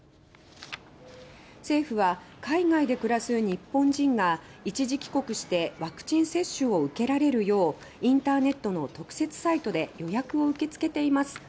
政府は、海外で暮らす日本人が一時帰国してワクチン接種を受けられるようインターネットの特設サイトで予約を受け付けています。